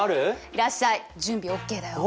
いらっしゃい！準備ＯＫだよ！